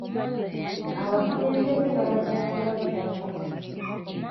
Abakulembeze baba kyakulabirako.